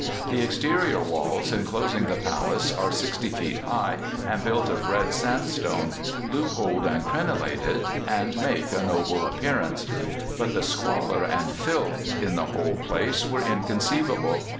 The exterior walls enclosing the palace are 60 feet high, and built of red sandstone, loopholed and crenellated, and make a noble appearance. But the squalor and filth in the whole place were inconceivable.